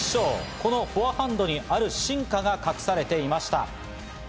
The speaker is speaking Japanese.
このフォアハンドにある進化が隠されていました。